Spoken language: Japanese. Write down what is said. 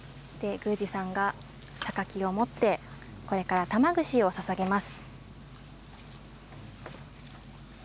宮司さんが、さかきを持ってこれから玉串をささげます。